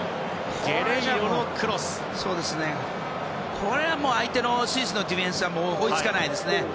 これはスイスのディフェンスは追いつかないですね。